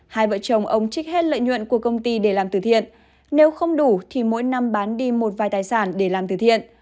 hai vợ chồng ông trích hết lợi nhuận của công ty để làm từ thiện nếu không đủ thì mỗi năm bán đi một vài tài sản để làm từ thiện